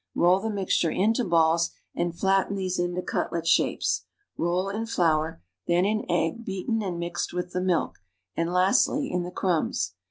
Roll the mi.xture into balls and flatten these into cutlet shapes; roll in flour, then in the egg beaten and mixed with the milk, anil, lastly, in the crumbs.